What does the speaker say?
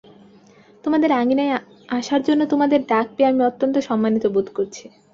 তোমাদের আঙিনায় আসার জন্য তোমাদের ডাক পেয়ে আমি অত্যন্ত সম্মানিত বোধ করছি।